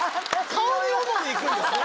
顔に主に行くんですね。